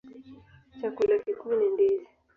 Chakula kikuu ni ndizi.